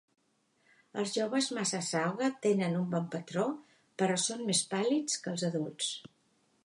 Els joves massasauga tenen un bon patró però són més pàl·lids que els adults.